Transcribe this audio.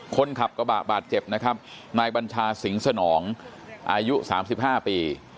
คนขับกระบะบาดเจ็บนะครับนายบัญชาสิงสนองอายุ๓๕ปี